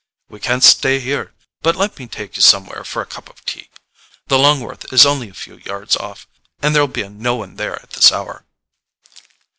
"We can't stay here; but let me take you somewhere for a cup of tea. The LONGWORTH is only a few yards off, and there'll be no one there at this hour."